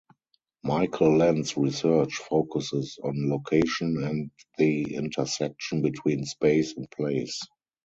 Michael Lent's research focuses on location and the intersection between space and place.